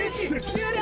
終了！